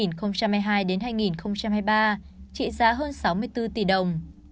năm hai nghìn hai mươi hai đến hai nghìn hai mươi ba trị giá hơn sáu mươi bốn tỷ đồng